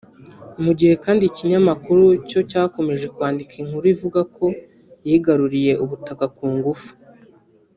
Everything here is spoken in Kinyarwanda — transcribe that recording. mu gihe kandi ikinyamakuru cyo cyakomeje kwandika inkuru ivuga ko yigaruriye ubutaka ku ngufu